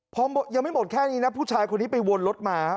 พอยังไม่หมดแค่นี้นะผู้ชายคนนี้ไปวนรถมา